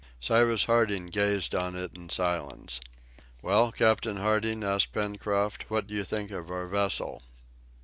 Cyrus Harding gazed on it in silence. "Well, Captain Harding," asked Pencroft, "what do you think of our vessel?"